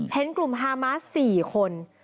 เห็นกลุ่มฮามาส๔คน